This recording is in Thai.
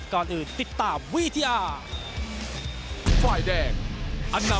ก่อนอื่นติดตามวิทยา